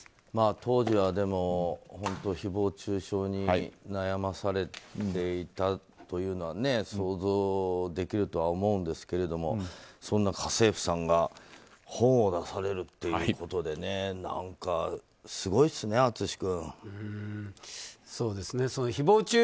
当時は本当誹謗中傷に悩まされていたというのは想像できるとは思うんですがそんな家政婦さんが本を出されるということで何かすごいですね、淳君。